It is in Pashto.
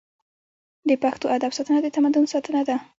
د پښتو ادب ساتنه د تمدن ساتنه ده.